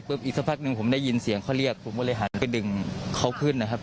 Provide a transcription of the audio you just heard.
อีกสักพักหนึ่งผมได้ยินเสียงเขาเรียกผมก็เลยหันไปดึงเขาขึ้นนะครับ